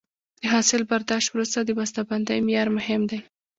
د حاصل برداشت وروسته د بسته بندۍ معیار مهم دی.